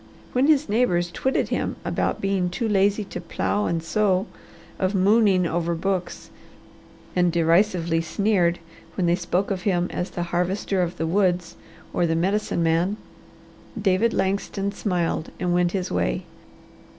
When his neighbours twitted him with being too lazy to plow and sow, of "mooning" over books, and derisively sneered when they spoke of him as the Harvester of the Woods or the Medicine Man, David Langston smiled and went his way.